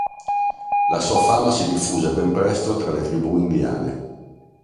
La sua fama si diffuse ben presto tra le tribù indiane.